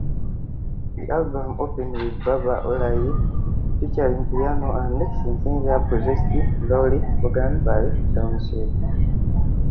The album opened with "Baba O'Riley", featuring piano and synthesizer-processed Lowrey organ by Townshend.